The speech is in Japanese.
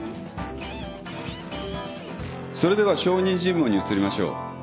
それでは証人尋問に移りましょう。